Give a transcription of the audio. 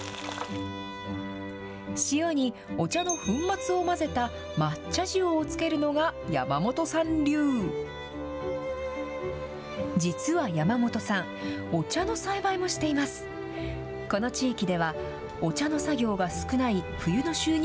塩に、お茶の粉末を混ぜた抹茶塩をつけるのが山本さん流。